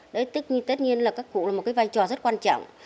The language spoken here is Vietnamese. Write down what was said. đấy tức tất nhiên là các cụ là một cái vai trò rất quan trọng